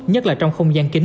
nhất là trong không gian kính